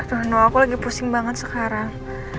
aduh aku lagi pusing banget sekarang